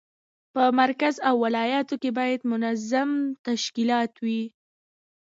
په مرکز او ولایاتو کې باید منظم تشکیلات وي.